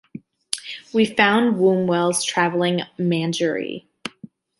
He founded Wombwell's Travelling Menagerie.